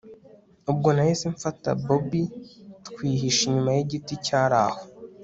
ubwo nahise mfata bobi twihisha inyuma yigiti cyaraho